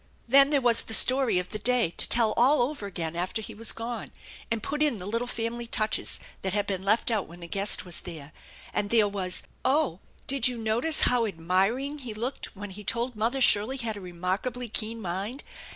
Then there was the story of the day to tell all over again after he was gone, and put in the little family touches that had been left out when the guest was there, and there was: " Oh, did you notice how admiring he looked when he told mother Shirley had a remarkably keen mind